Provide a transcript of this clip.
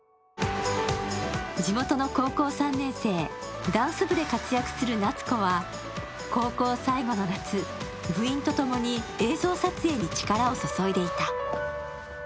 地元の高校３年生、ダンス部で活躍する夏子は高校最後の夏、部員とともに映像撮影に力を注いでいた。